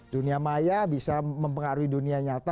dunia maya bisa mempengaruhi dunia nyata